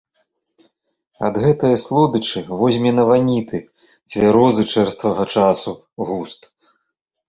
Ад гэтае слодычы возьме на ваніты цвярозы чэрствага часу густ.